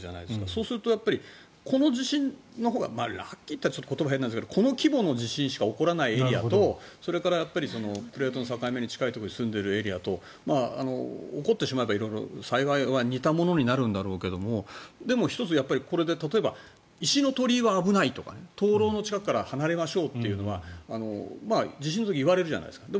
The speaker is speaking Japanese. そうするとこの地震のほうがラッキーと言ったら言葉は変なんですがこの規模の地震しか起こらないエリアとそれから、プレートの境目に近いところに住んでいるエリアと起こってしまえば色々、災害は似たものになるんだろうけどでも１つ、これで例えば石の鳥居は危ないとか灯ろうの近くから離れましょうというのは地震の時言われるじゃないですか。